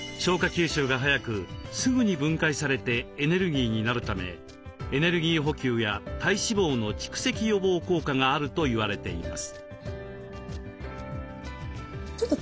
吸収が早くすぐに分解されてエネルギーになるためエネルギー補給や体脂肪の蓄積予防効果があると言われています。